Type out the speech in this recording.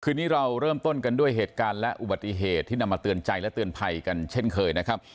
นี้เราเริ่มต้นกันด้วยเหตุการณ์และอุบัติเหตุที่นำมาเตือนใจและเตือนภัยกันเช่นเคยนะครับ